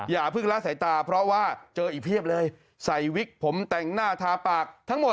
อย่าเพิ่งละสายตาเพราะว่าเจออีกเพียบเลยใส่วิกผมแต่งหน้าทาปากทั้งหมด